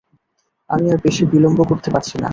আমি আর বেশি বিলম্ব করতে পারছি না।